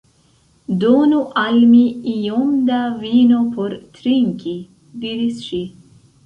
«Donu al mi iom da vino por trinki,» diris ŝi.